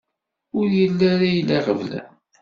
Ur yelli ara ila iɣeblan.